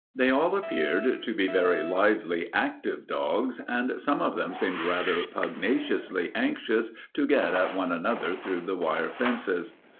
They all appeared to be very lively, active dogs, and some of them seemed rather pugnaciously anxious to get at one another through the wire fences.